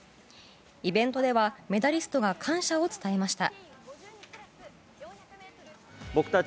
イベントではメダリストが感謝を伝えました。